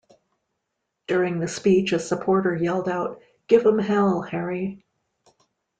During the speech a supporter yelled out "Give 'em Hell, Harry!".